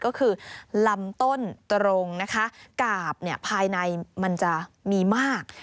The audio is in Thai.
ก็คือลำต้นตรงนะคะกาบภายในมันจะมีมาก